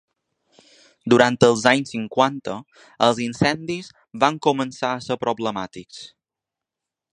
Durant els anys cinquanta, els incendis van començar a ser problemàtics.